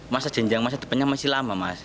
masa jenjang masa depannya masih lama mas